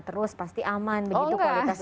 terus pasti aman begitu kualitasnya